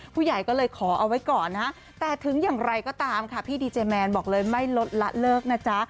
ผู้ใหญ่ก็เลยขอเอาไว้ก่อนนะแต่ถึงอย่างไรก็ตามค่ะพี่ดีเจแมนบอกเลยไม่ลดละเลิกนะจ๊ะ